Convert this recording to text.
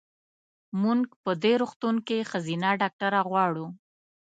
مونږ په دې روغتون کې ښځېنه ډاکټره غواړو.